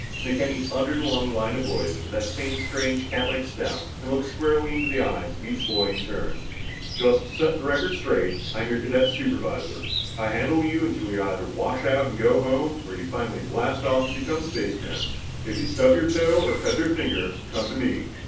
McKenny sauntered along the line of boys with that same strange catlike step and looked squarely into the eyes of each boy in turn. "Just to keep the record straight, I'm your cadet supervisor. I handle you until you either wash out and go home, or you finally blast off and become spacemen. If you stub your toe or cut your finger, come to me.